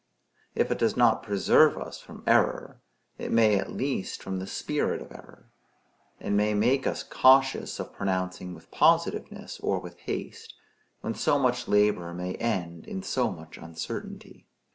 If it does not preserve us from error, it may at least from the spirit of error; and may make us cautious of pronouncing with positiveness or with haste, when so much labor may end in so much uncertainty.